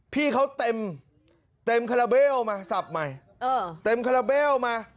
พี่เขาเต็มเต็มมาสับใหม่เออเต็มมา